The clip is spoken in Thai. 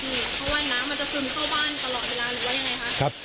เพราะว่าน้ำมันจะซึมเข้าบ้านตลอดเวลาหรือว่ายังไงคะ